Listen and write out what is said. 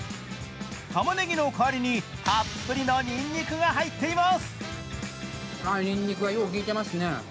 たまねぎの代わりにたっぷりのにんにくが入っています。